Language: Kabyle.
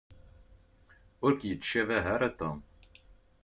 Ur k-yettcabah ara Tom.